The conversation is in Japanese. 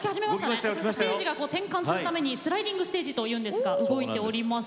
ステージが展開するためにスライディングステージというんですが動いております。